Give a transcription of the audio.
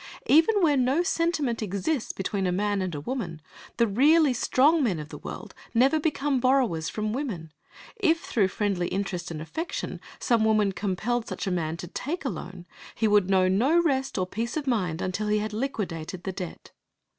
Even where no sentiment exists between a man and a woman, the really strong men of the world never become borrowers from women. If through friendly interest and affection some woman compelled such a man to take a loan, he would know no rest or peace of mind until he had liquidated the debt.